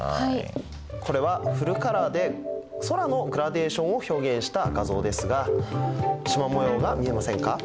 これはフルカラーで空のグラデーションを表現した画像ですがしま模様が見えませんか？